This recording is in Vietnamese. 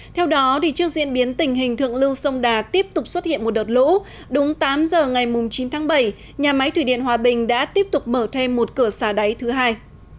theo đó trước diễn biến tình hình thượng lưu sông đà tiếp tục xuất hiện một đợt lũ đúng tám giờ ngày chín tháng bảy nhà máy thủy điện hòa bình đã tiếp tục mở thêm một cửa xả đáy thứ hai